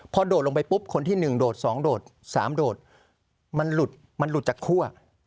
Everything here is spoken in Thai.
พอโดดลงไปปุ๊บคนที่๑โดด๒โดด๓โดดมันหลุดมันหลุดจากคั่ว